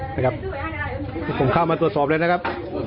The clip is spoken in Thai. นี่ครับผมเข้ามาตรวจสอบเลยนะครับ